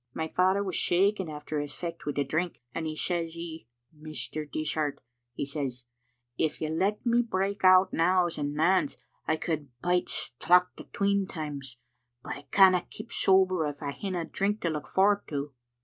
My father was shaking after his fecht wi' the drink, and, says he, *Mr. Dishart,' he says, *if you'll let me break out nows and nans, I could bide straucht atween times, but I canna keep sober if I hinna a drink to look f orrit to.